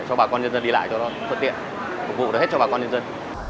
cho bà con nhân dân đi lại cho nó phận tiện phục vụ hết cho bà con nhân dân